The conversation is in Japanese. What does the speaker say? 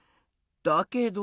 だけど。